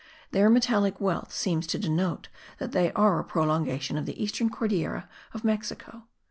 Their metallic wealth seems to denote that they are a prolongation of the eastern Cordillera of Mexico.